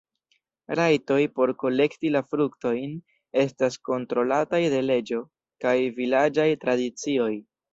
Rajtoj por kolekti la fruktojn estas kontrolataj de leĝo kaj vilaĝaj tradicioj.